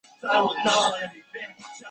兴趣是影片录制。